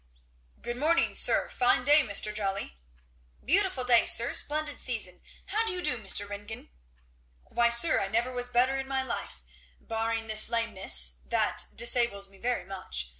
"Good morning, sir! Fine day, Mr. Jolly." "Beautiful day, sir! Splendid season! How do you do, Mr. Ringgan?" "Why, sir, I never was better in my life, barring this lameness, that disables me very much.